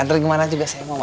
dari gimana juga saya mau